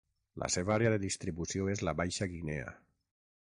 La seva àrea de distribució és la Baixa Guinea.